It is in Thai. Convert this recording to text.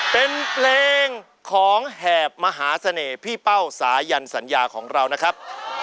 เป็นเพลงของแหบมหาเสน่ห์พี่เป้าสายันสัญญาของเรานะครับ